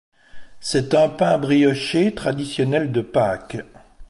C'est un pain brioché traditionnel de Pâques.